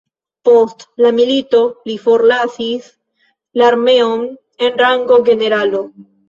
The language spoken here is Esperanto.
Post la milito li forlasis la armeon en rango generalo.